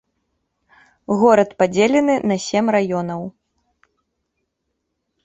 Горад падзелены на сем раёнаў.